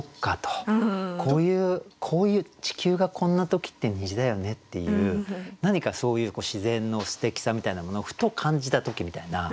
こういう地球がこんな時って虹だよねっていう何かそういう自然のすてきさみたいなものをふと感じた時みたいな。